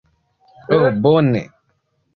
Ho bone.